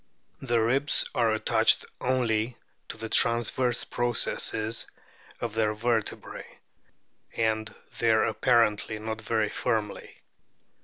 The ribs are attached only to the transverse processes of their vertebrae, and there apparently not very firmly.